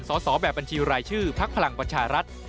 สอบแบบบัญชีรายชื่อพักพลังประชารัฐ